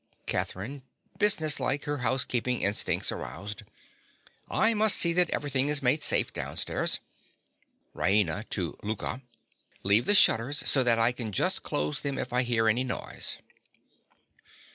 CATHERINE. (business like, her housekeeping instincts aroused). I must see that everything is made safe downstairs. RAINA. (to Louka). Leave the shutters so that I can just close them if I hear any noise.